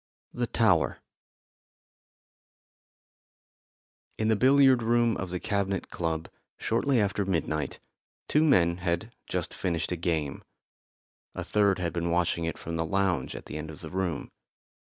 THE TOWER In the billiard room of the Cabinet Club, shortly after midnight, two men had just finished a game. A third had been watching it from the lounge at the end of the room.